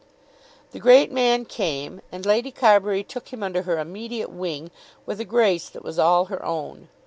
The great man came, and Lady Carbury took him under her immediate wing with a grace that was all her own.